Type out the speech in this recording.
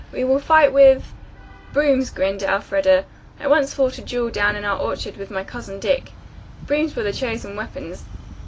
We will fight with " "Brooms," grinned Elfreda. "I once fought a duel down in our orchard with my cousin Dick. Brooms were the chosen weapons.